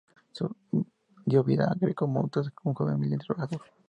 Dio vida a Greco Montes un joven humilde y trabajador.